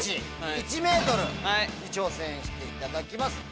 挑戦していただきます。